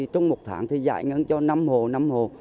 trong một tháng giải ngân cho năm hồ